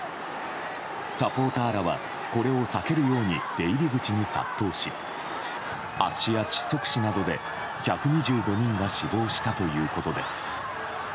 サポーターらはこれを避けるように出入り口に殺到し圧死や窒息死などで１２５人が死亡したということです。